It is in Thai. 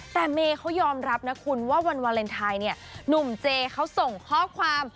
แต่เมย์เขายอมรับนะคุณว่าวันวาเลนไทยเนี่ยหนุ่มเจเขาส่งข้อความ